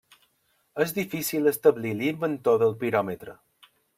És difícil establir l'inventor del piròmetre.